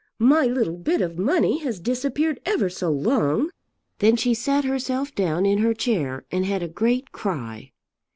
My little bit of money has disappeared ever so long." Then she sat herself down in her chair and had a great cry.